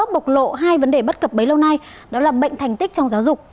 bộc lộ hai vấn đề bất cập bấy lâu nay đó là bệnh thành tích trong giáo dục